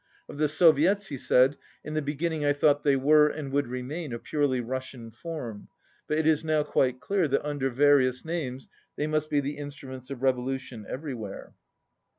Of the Soviets he said, "In the beginning I thought they were and would remain a purely Russian form; but it is now quite clear that un der various names they must be the instruments of revolution everywhere."